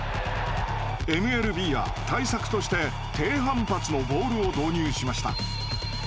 ＭＬＢは対策として低反発のボールを導入しました。